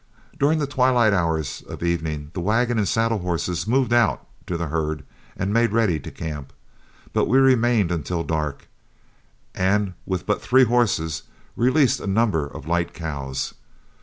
During the twilight hours of evening, the wagon and saddle horses moved out to the herd and made ready to camp, but we remained until dark, and with but three horses released a number of light cows.